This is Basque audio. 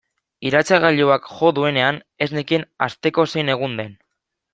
Iratzargailuak jo duenean ez nekien asteko zein egun den.